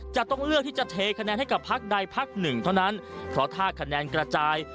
จะต้องเลือกที่จะเทคะแนนให้กับพักใดพักหนึ่งเท่านั้นเพราะถ้าคะแนนกระจาย